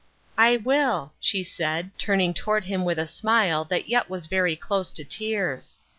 " I will," she said, turning toward him with a smile that yet was very close to tears.